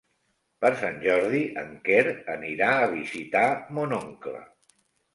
Per Sant Jordi en Quer anirà a visitar mon oncle.